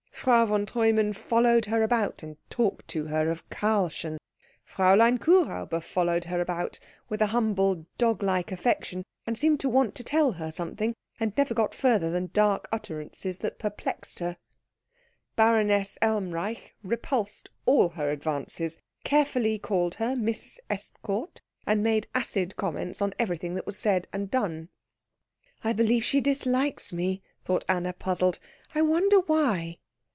Frau von Treumann followed her about and talked to her of Karlchen. Fräulein Kuhräuber followed her about, with a humble, dog like affection, and seemed to want to tell her something, and never got further than dark utterances that perplexed her. Baroness Elmreich repulsed all her advances, carefully called her Miss Estcourt, and made acid comments on everything that was said and done. "I believe she dislikes me," thought Anna, puzzled. "I wonder why?"